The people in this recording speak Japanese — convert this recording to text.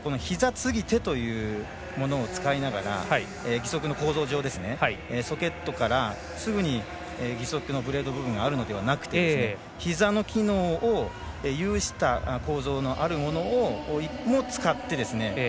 オーストラリアの有力な選手ですけどひざ継ぎ手というものを使いながら義足の構造上、ソケットからすぐに義足のブレード部分があるのではなくてひざの機能を有した構造のあるものを使って。